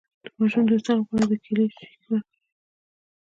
د ماشوم د اسهال لپاره د کیلي شیک ورکړئ